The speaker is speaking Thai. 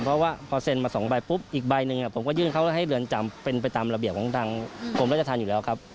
เพราะว่าพอเซ็นมา๒ใบปุ๊บอีกใบหนึ่งผมก็ยื่นเขาให้เรือนจำเป็นไปตามระเบียบของทางกรมราชธรรมอยู่แล้วครับ